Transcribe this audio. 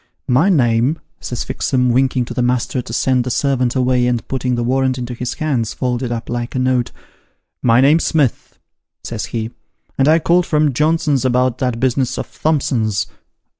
' My name,' says Fixem, winking to the master to send the servant away, and putting the warrant into his hands folded up like a note, ' My name's Smith,' says he, ' and I called from Johnson's about that business of Thompson's.'